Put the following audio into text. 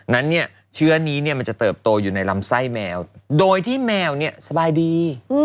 นั้นเนี่ยเชื้อนี้มันจะเติบโตอยู่ในลำไส้แมวโดยที่แมวเนี่ยสบายดี